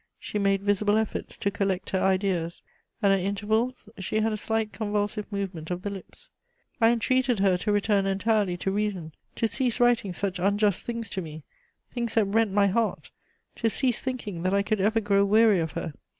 She made visible efforts to collect her ideas, and at intervals she had a slight convulsive movement of the lips. I entreated her to return entirely to reason, to cease writing such unjust things to me, things that rent my heart, to cease thinking that I could ever grow weary of her.